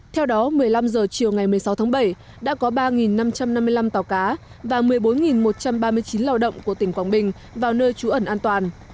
theo đó một mươi năm h chiều ngày một mươi sáu tháng bảy đã có ba năm trăm năm mươi năm tàu cá và một mươi bốn một trăm ba mươi chín lao động của tỉnh quảng bình vào nơi trú ẩn an toàn